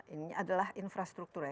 ini adalah infrastruktur ya